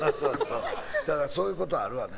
そういうことあるわね。